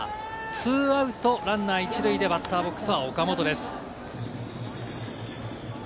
２アウト、ランナー１塁で、バッターボックスは岡本です。